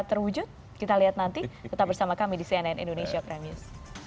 terwujud kita lihat nanti tetap bersama kami di cnn indonesia prime news